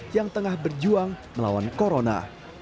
yang tengah berjuang melawan corona